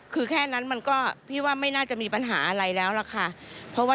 คือแค่นั้นมันก็พี่ว่าไม่น่าจะมีปัญหาอะไรแล้วล่ะค่ะ